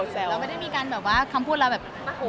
แล้วไม่ได้มีการแบบว่าคำพูดแล้วแบบ